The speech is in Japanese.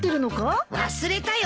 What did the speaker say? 忘れたよ。